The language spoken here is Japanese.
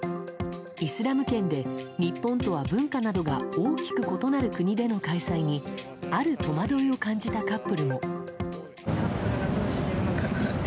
イスラム圏で日本とは文化などが大きく異なる国での開催にある戸惑いを感じたカップルも。